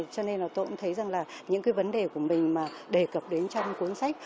cho nên là tôi cũng thấy rằng là những cái vấn đề của mình mà đề cập đến trong cuốn sách